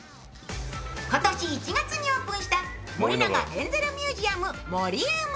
今年１月にオープンした森永エンゼルミュージアムＭＯＲＩＵＭ。